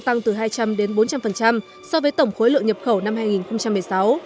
tăng từ hai trăm linh đến bốn trăm linh so với tổng khối lượng nhập khẩu năm hai nghìn một mươi sáu